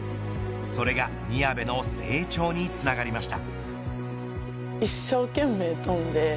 それが宮部の成長につながりました。